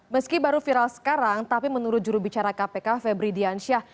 meski baru viral sekarang tapi menurut jurubicara kpk febri diansyah